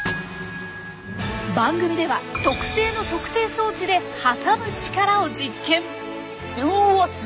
番組では特製の測定装置ではさむ力を実験！